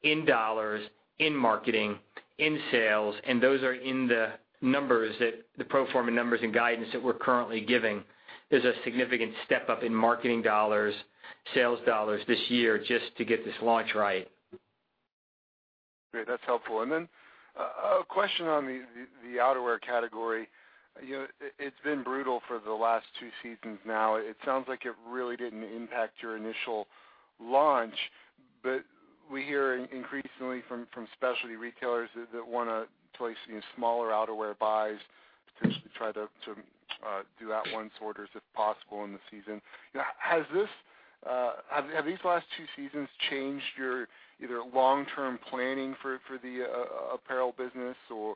in dollars, in marketing, in sales, and those are in the pro forma numbers and guidance that we're currently giving. There's a significant step up in marketing dollars, sales dollars this year just to get this launch right.
Great. That's helpful. A question on the outerwear category. It's been brutal for the last two seasons now. It sounds like it really didn't impact your initial launch, but we hear increasingly from specialty retailers that want to place these smaller outerwear buys to try to do at-once orders, if possible, in the season. Have these last two seasons changed your either long-term planning for the apparel business or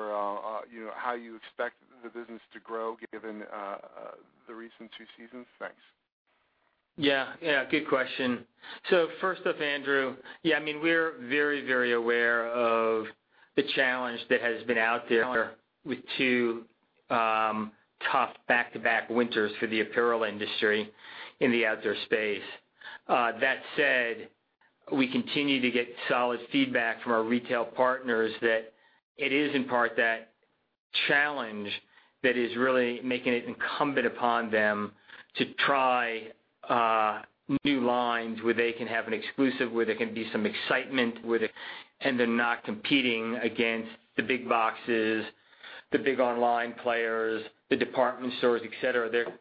how you expect the business to grow given the recent two seasons? Thanks.
Yeah. Good question. First off, Andrew, yeah, we're very aware of the challenge that has been out there with two tough back-to-back winters for the apparel industry in the outdoor space. That said, we continue to get solid feedback from our retail partners that it is in part that challenge that is really making it incumbent upon them to try new lines where they can have an exclusive, where there can be some excitement, and they're not competing against the big boxes, the big online players, the department stores, et cetera. They're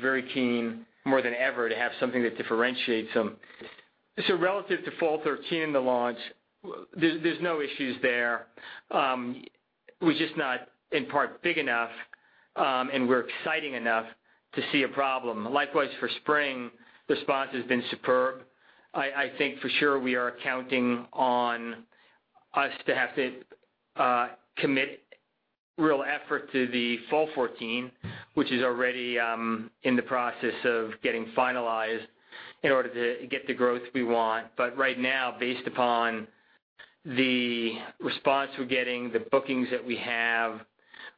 very keen, more than ever, to have something that differentiates them. Relative to fall 2013, the launch, there's no issues there. We're just not, in part, big enough, and we're exciting enough to see a problem. Likewise, for spring, response has been superb. I think for sure, we are counting on us to have to commit real effort to the fall 2014, which is already in the process of getting finalized in order to get the growth we want. Right now, based upon the response we're getting, the bookings that we have,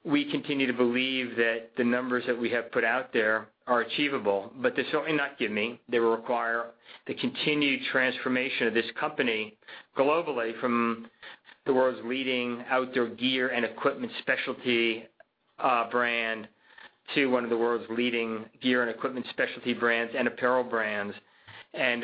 we continue to believe that the numbers that we have put out there are achievable. They're certainly not given. They will require the continued transformation of this company globally from the world's leading outdoor gear and equipment specialty brand to one of the world's leading gear and equipment specialty brands and apparel brands.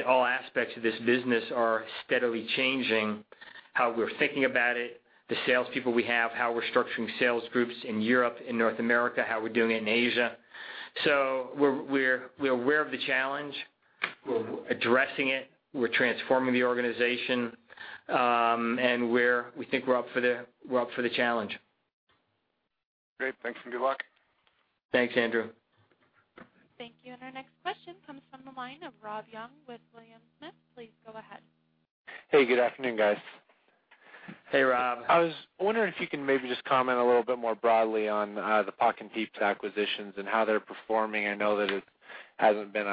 All aspects of this business are steadily changing how we're thinking about it, the salespeople we have, how we're structuring sales groups in Europe and North America, how we're doing it in Asia. We're aware of the challenge. We're addressing it. We're transforming the organization. We think we're up for the challenge.
Great. Thanks, good luck.
Thanks, Andrew.
Thank you. Our next question comes from the line of Rob Young with William Smith. Please go ahead.
Hey, good afternoon, guys.
Hey, Rob.
I was wondering if you can maybe just comment a little bit more broadly on the POC and Pieps acquisitions and how they're performing. I know that it hasn't been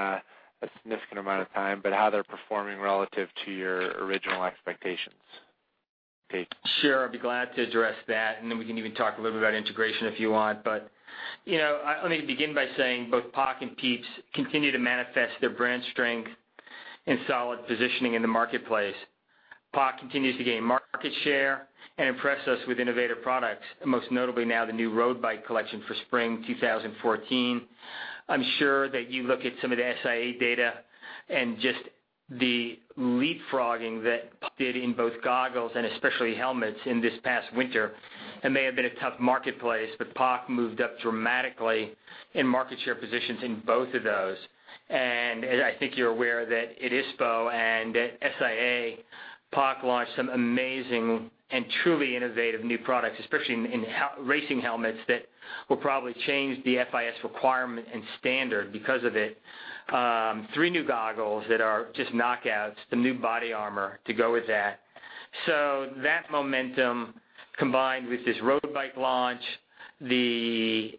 a significant amount of time, but how they're performing relative to your original expectations. Thanks.
Sure. I'd be glad to address that, then we can even talk a little bit about integration if you want. Let me begin by saying both POC and Pieps continue to manifest their brand strength and solid positioning in the marketplace. POC continues to gain market share and impress us with innovative products, most notably now the new road bike collection for spring 2014. I'm sure that you look at some of the SIA data and just the leapfrogging that POC did in both goggles and especially helmets in this past winter. It may have been a tough marketplace, but POC moved up dramatically in market share positions in both of those. I think you're aware that at ISPO and at SIA, POC launched some amazing and truly innovative new products, especially in racing helmets, that will probably change the FIS requirement and standard because of it. Three new goggles that are just knockouts, the new body armor to go with that. That momentum, combined with this road bike launch, the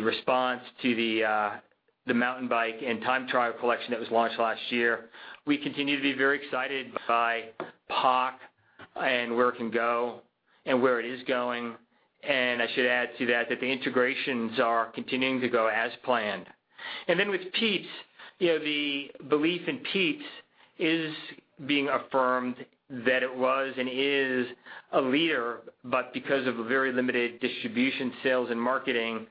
response to the mountain bike and time trial collection that was launched last year, we continue to be very excited by POC and where it can go and where it is going. I should add to that the integrations are continuing to go as planned. With Pieps, the belief in Pieps is being affirmed that it was and is a leader, but because of a very limited distribution, sales, and marketing,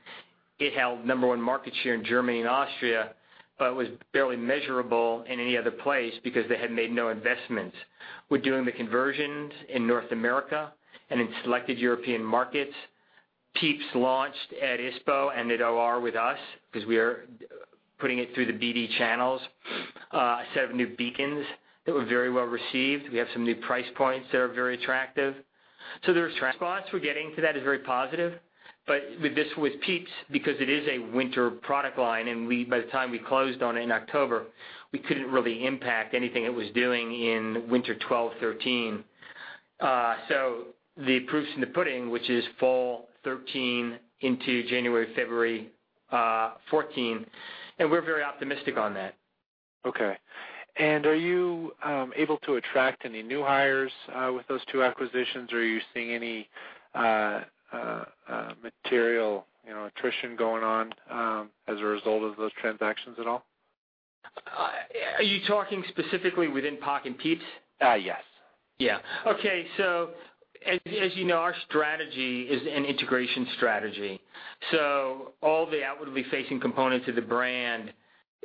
it held number 1 market share in Germany and Austria, but was barely measurable in any other place because they had made no investments. We're doing the conversions in North America and in selected European markets. Pieps launched at ISPO and at OR with us because we are putting it through the BD channels. A set of new beacons that were very well received. We have some new price points that are very attractive. The response we're getting to that is very positive. With Pieps, because it is a winter product line and by the time we closed on it in October, we couldn't really impact anything it was doing in winter 2012, 2013. The proof's in the pudding, which is Fall 2013 into January, February 2014, and we're very optimistic on that.
Okay. Are you able to attract any new hires with those two acquisitions? Are you seeing any material attrition going on as a result of those transactions at all?
Are you talking specifically within POC and Pieps?
Yes.
Yeah. Okay. As you know, our strategy is an integration strategy. All the outwardly facing components of the brand,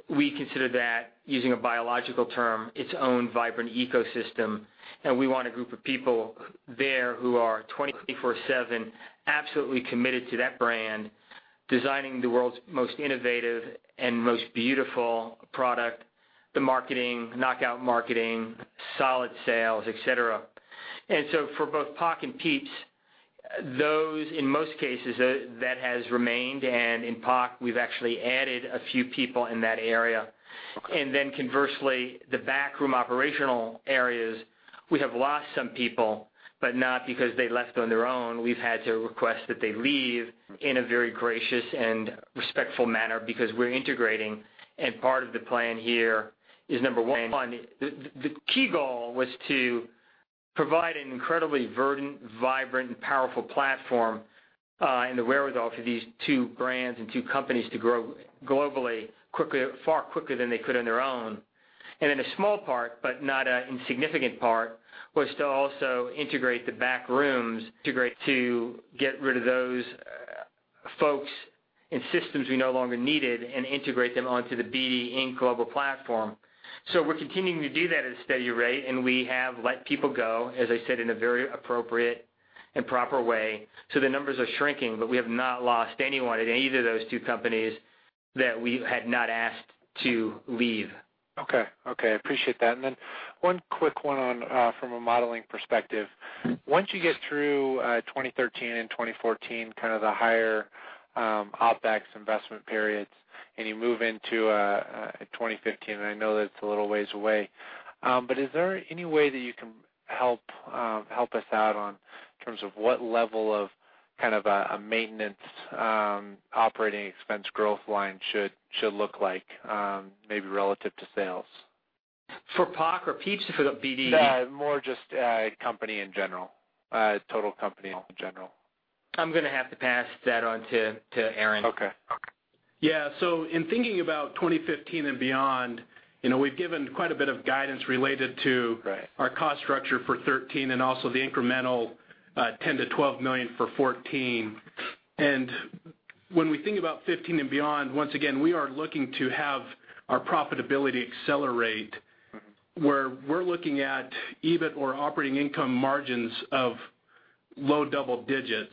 we consider that, using a biological term, its own vibrant ecosystem, and we want a group of people there who are 24/7 absolutely committed to that brand, designing the world's most innovative and most beautiful product, the marketing, knockout marketing, solid sales, et cetera. For both POC and Pieps, those, in most cases, that has remained. In POC, we've actually added a few people in that area.
Okay.
Conversely, the backroom operational areas, we have lost some people, but not because they left on their own. We've had to request that they leave in a very gracious and respectful manner because we're integrating, and part of the plan here is, number 1, the key goal was to provide an incredibly verdant, vibrant, and powerful platform and the wherewithal for these two brands and two companies to grow globally far quicker than they could on their own. A small part, but not an insignificant part, was to also integrate the back rooms, integrate to get rid of those folks and systems we no longer needed and integrate them onto the BD Inc. global platform. We're continuing to do that at a steady rate, and we have let people go, as I said, in a very appropriate and proper way. The numbers are shrinking, but we have not lost anyone at either of those two companies that we had not asked to leave.
Okay. I appreciate that. One quick one from a modeling perspective. Once you get through 2013 and 2014, kind of the higher OpEx investment periods, you move into 2015, and I know that's a little ways away, but is there any way that you can help us out on, in terms of what level of kind of a maintenance operating expense growth line should look like, maybe relative to sales?
For POC or Pieps or for the BD?
No, more just company in general, total company in general.
I'm going to have to pass that on to Aaron.
Okay.
Yeah. In thinking about 2015 and beyond, we've given quite a bit of guidance related to.
Right
Related to our cost structure for 2013 and also the incremental $10 million-$12 million for 2014. When we think about 2015 and beyond, once again, we are looking to have our profitability accelerate, where we're looking at EBIT or operating income margins of low double digits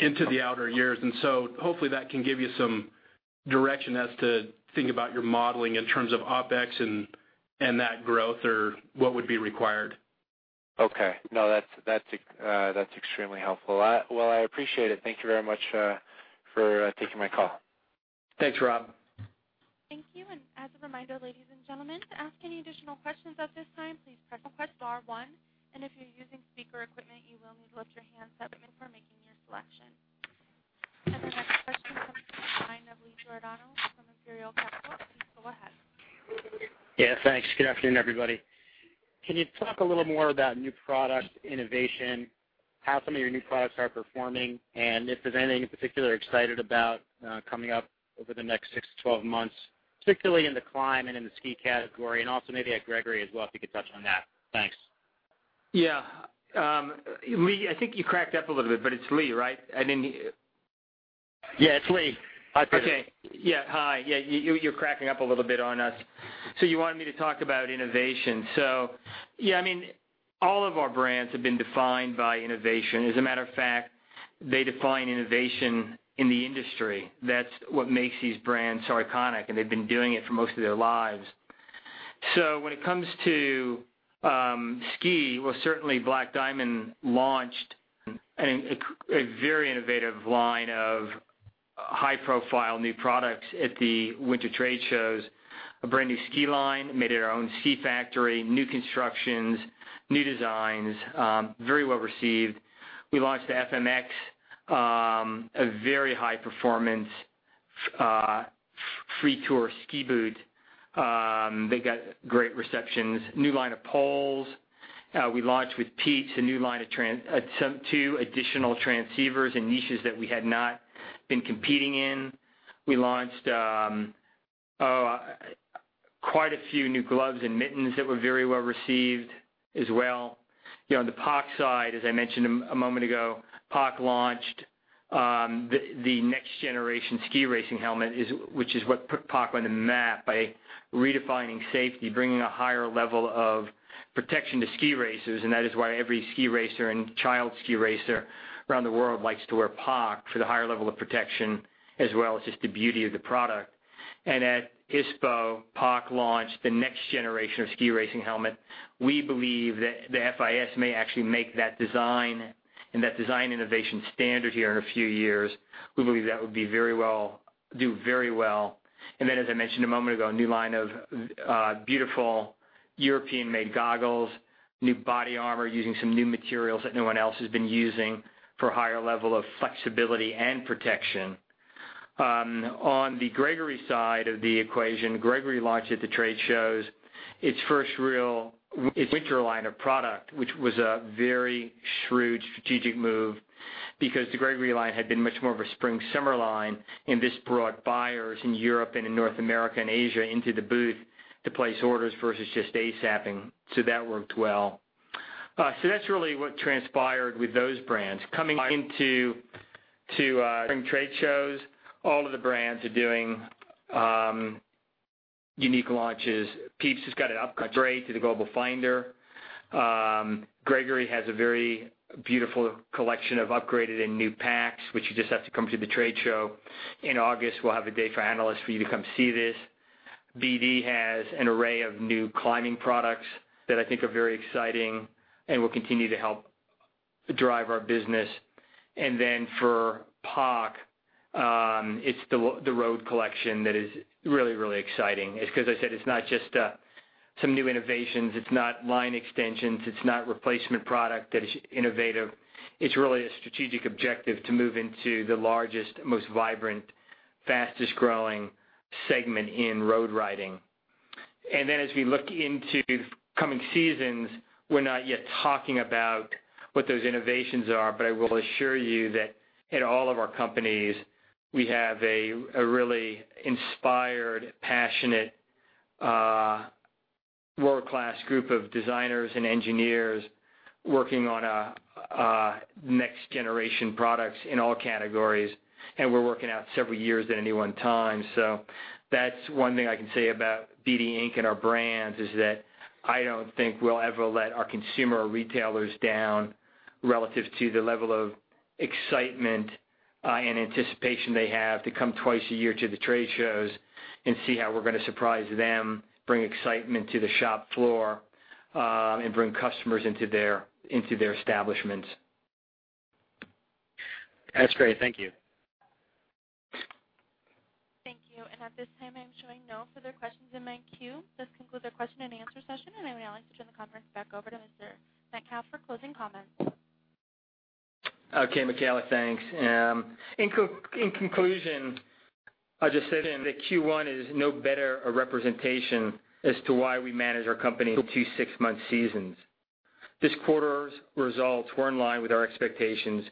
into the outer years. Hopefully that can give you some direction as to think about your modeling in terms of OpEx and that growth or what would be required.
Okay. No, that's extremely helpful. Well, I appreciate it. Thank you very much for taking my call.
Thanks, Rob.
Thank you. As a reminder, ladies and gentlemen, to ask any additional questions at this time, please press star one, and if you're using speaker equipment, you will need to lift your handset before making your selection. The next question comes from the line of Lee Giordano from Imperial Capital. Please go ahead.
Yeah, thanks. Good afternoon, everybody. Can you talk a little more about new product innovation, how some of your new products are performing, and if there's anything in particular you're excited about coming up over the next 6-12 months, particularly in the climb and in the ski category, and also maybe at Gregory as well, if you could touch on that. Thanks.
Yeah. Lee, I think you cracked up a little bit, but it's Lee, right? I didn't
Yeah, it's Lee.
Hi. Okay. Yeah. Hi. You're cracking up a little bit on us. You wanted me to talk about innovation. All of our brands have been defined by innovation. As a matter of fact, they define innovation in the industry. That's what makes these brands so iconic, and they've been doing it for most of their lives. When it comes to ski, well, certainly Black Diamond launched a very innovative line of high-profile new products at the winter trade shows. A brand new ski line, made at our own ski factory, new constructions, new designs. Very well received. We launched the FMX, a very high-performance free tour ski boot. They got great receptions. New line of poles. We launched with Pieps a new line of two additional transceivers in niches that we had not been competing in. We launched quite a few new gloves and mittens that were very well received as well. On the POC side, as I mentioned a moment ago, POC launched the next generation ski racing helmet, which is what put POC on the map by redefining safety, bringing a higher level of protection to ski racers, and that is why every ski racer and child ski racer around the world likes to wear POC for the higher level of protection as well as just the beauty of the product. At ISPO, POC launched the next generation of ski racing helmet. We believe that the FIS may actually make that design And that design innovation standard here in a few years, we believe that would do very well. new line of beautiful European-made goggles, new body armor using some new materials that no one else has been using for higher level of flexibility and protection. On the Gregory side of the equation, Gregory launched at the trade shows, its first real winter line of product, which was a very shrewd, strategic move because the Gregory line had been much more of a spring, summer line, and this brought buyers in Europe and in North America and Asia into the booth to place orders versus just ASAP-ing. That worked well. That's really what transpired with those brands. Coming into spring trade shows, all of the brands are doing unique launches. Pieps has got an upgrade to the Global Finder. Gregory has a very beautiful collection of upgraded and new packs, which you just have to come to the trade show. In August, we'll have a day for analysts for you to come see this. BD has an array of new climbing products that I think are very exciting and will continue to help drive our business. For POC, it's the road collection that is really, really exciting. It's because I said it's not just some new innovations, it's not line extensions, it's not replacement product that is innovative. It's really a strategic objective to move into the largest, most vibrant, fastest-growing segment in road riding. As we look into coming seasons, we're not yet talking about what those innovations are, but I will assure you that in all of our companies, we have a really inspired, passionate, world-class group of designers and engineers working on next generation products in all categories, and we're working out several years at any one time. That's one thing I can say about BD Inc. and our brands is that I don't think we'll ever let our consumer or retailers down relative to the level of excitement and anticipation they have to come twice a year to the trade shows and see how we're going to surprise them, bring excitement to the shop floor, and bring customers into their establishments.
That's great. Thank you.
Thank you. At this time, I'm showing no further questions in my queue. This concludes our question and answer session, and I would now like to turn the conference back over to Mr. Metcalf for closing comments.
Okay, Michaela, thanks. In conclusion, I'll just say that Q1 is no better a representation as to why we manage our company in two six-month seasons. This quarter's results were in line with our expectations,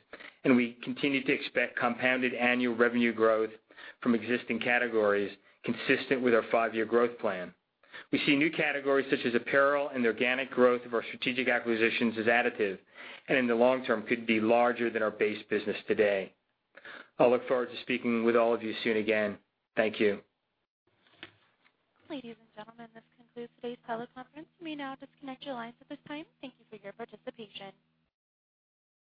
and we continue to expect compounded annual revenue growth from existing categories consistent with our five-year growth plan. We see new categories such as apparel and the organic growth of our strategic acquisitions as additive, and in the long term, could be larger than our base business today. I look forward to speaking with all of you soon again. Thank you.
Ladies and gentlemen, this concludes today's teleconference. You may now disconnect your lines at this time. Thank you for your participation.